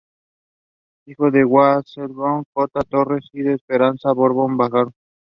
Hijo de Wenceslao Cota Torres y de Esperanza Borbón Rábago.